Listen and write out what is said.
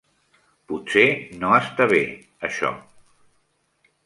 Potser no està bé, això.